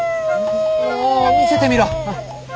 も見せてみろ